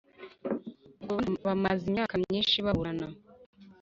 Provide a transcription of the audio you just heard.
ku rubanza bamaze imyaka myinshi baburana.